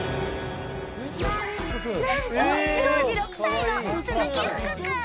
何と、当時６歳の鈴木福君！